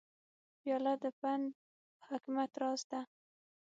پیاله د پند و حکمت راز ده.